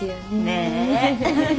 ねえ。